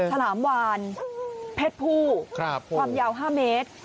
ฉลามวานเพศผู้ความยาว๕เมตร